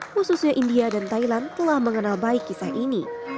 khususnya india dan thailand telah mengenal baik kisah ini